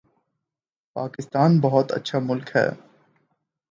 پاکستان بہت اچھا ملک ہے